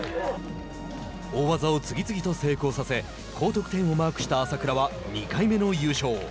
大技を次々と成功させ高得点をマークした朝倉は２回目の優勝。